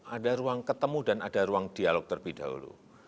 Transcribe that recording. ada ruang ketemu dan ada ruang dialog terlebih dahulu